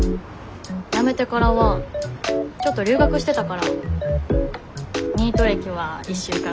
辞めてからはちょっと留学してたからニート歴は１週間くらい？